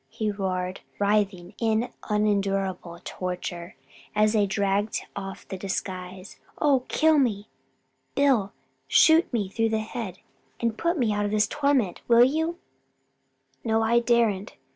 he roared, writhing in unendurable torture, as they dragged off the disguise. "Oh kill me! Bill, shoot me through the head and put me out of this torment, will you?" "No, no, I daren't.